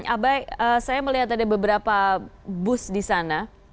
abai saya melihat ada beberapa bus di sana